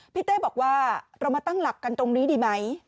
เต้บอกว่าเรามาตั้งหลักกันตรงนี้ดีไหม